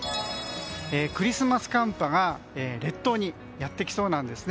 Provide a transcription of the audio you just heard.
クリスマス寒波が列島にやってきそうなんですね。